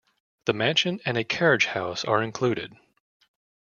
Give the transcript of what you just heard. The mansion and a carriage house are included.